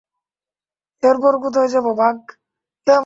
এরপর কোথায় যাব, বাক?